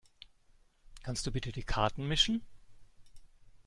Kannst du bitte die Karten mischen?